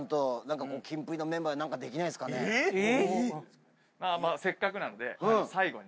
えっ⁉せっかくなので最後に。